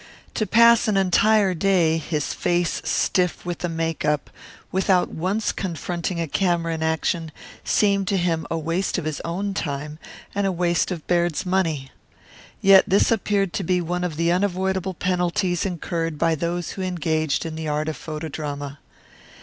To pass an entire day, his face stiff with the make up, without once confronting a camera in action, seemed to him a waste of his own time and a waste of Baird's money. Yet this appeared to be one of the unavoidable penalties incurred by those who engaged in the art of photodrama.